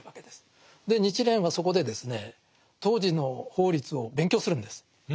で日蓮はそこでですね当時の法律を勉強するんです。